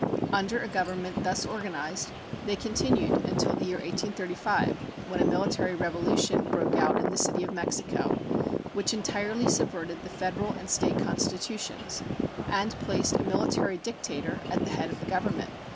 Under a Government thus organized they continued until the year 1835, when a military revolution broke out in the City of Mexico which entirely subverted the federal and State constitutions and placed a military dictator at the head of the Government.